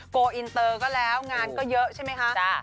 โออินเตอร์ก็แล้วงานก็เยอะใช่ไหมคะ